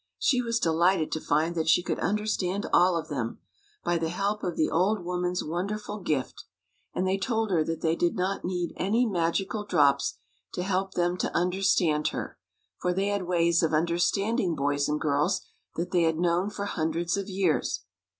She was delighted to find that she could understand all of them, by the help of the old woman's wonderful gift; and they told her that they did not need any magical drops to help them to understand her, for they had ways of understanding boys and girls that they had known for hundreds of years.